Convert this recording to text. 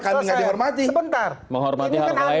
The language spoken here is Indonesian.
kenapa kami gak dihormati